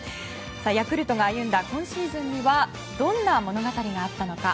ヤクルトが歩んだ今シーズンにはどんな物語があったのか。